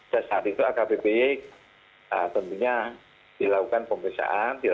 dan saat itu akbpj tentunya dilakukan pemeriksaan